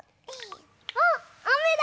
あっあめだ！